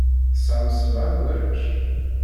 Tesɛam sebɛa n warrac.